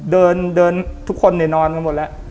เดินเดินทุกคนเนี่ยนอนกันหมดแล้ว